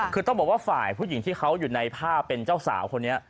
คือต้องบอกว่าฝ่ายผู้หญิงที่เขาอยู่ในภาพเป็นเจ้าสาวคนนี้